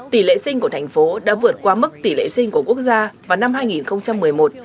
tỷ lệ sinh của thành phố đã vượt qua mức tỷ lệ sinh của quốc gia vào năm hai nghìn một mươi một